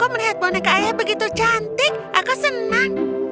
wow aku melihat boneka ayah begitu cantik aku senang